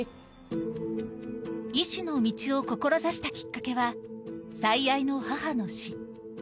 医師の道を志したきっかけは、最愛の母の死。